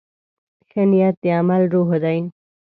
ښه نیت د عمل روح دی.